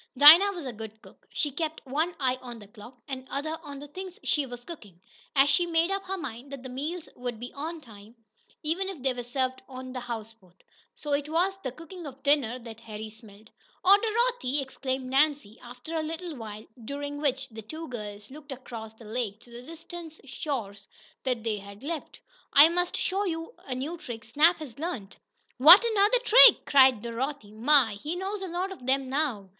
Dinah was a good cook. She kept one eye on the clock and the other on the things she was cooking. And she made up her mind that the meals would be on time, even if they were served on a houseboat. So it was the cooking of dinner that Harry smelled. "Oh, Dorothy!" exclaimed Nan, after a little while, during which the two girls looked across the lake to the distant shores they had left. "I must show you a new trick Snap has learned." "What! Another trick?" cried Dorothy. "My! He knows a lot of them now.